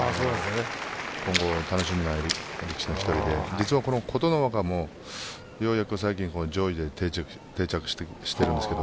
今後楽しみな力士の１人で琴ノ若もようやく最近上位で定着しているんですけど